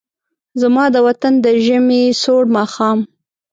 زما د وطن د ژمې سوړ ماښام